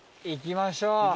行きましょう。